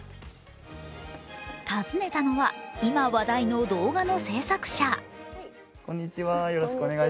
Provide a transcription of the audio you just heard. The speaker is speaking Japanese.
訪ねたのは、今話題の動画の制作者。